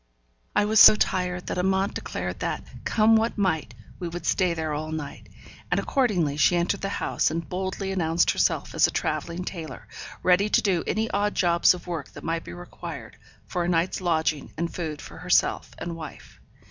I was so tired, that Amante declared that, come what might, we would stay there all night; and accordingly she entered the house, and boldly announced herself as a travelling tailor, ready to do any odd jobs of work that might be required, for a night's lodging and food for herself and wife.